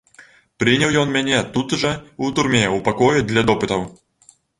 Прыняў ён мяне тут жа, у турме, у пакоі для допытаў.